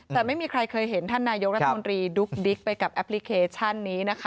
แต่ไม่มีใครเคยเห็นท่านนายกรัฐมนตรีดุ๊กดิ๊กไปกับแอปพลิเคชันนี้นะคะ